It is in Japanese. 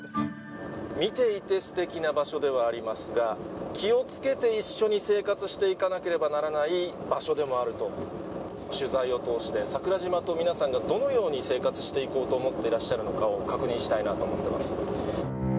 見ていてすてきな場所ではありますが、気をつけて一緒に生活していかなければならない場所でもあると、取材を通して、桜島と皆さんがどのように生活していこうと思っていらっしゃるのかを確認したいなと思ってます。